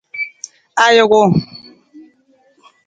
Ajuku.